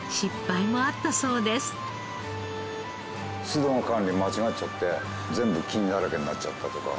湿度の管理を間違っちゃって全部菌だらけになっちゃったとか。